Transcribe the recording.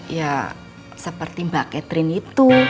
ya seperti mbak catherine itu